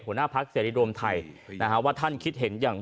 หัวหน้าภัคดิ์เสรีโรมไทย